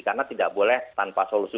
karena tidak boleh tanpa solusi